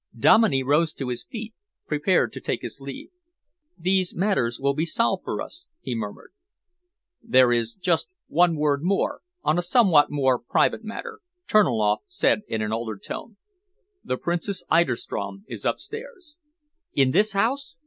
Dominey rose to his feet, prepared to take his leave. "These matters will be solved for us," he murmured. "There is just one word more, on a somewhat more private matter," Terniloff said in an altered tone. "The Princess Eiderstrom is upstairs." "In this house?"